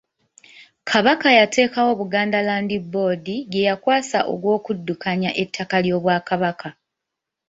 Kabaka yateekawo Buganda Land Board gye yakwasa ogw'okuddukanya ettaka ly’Obwakabaka.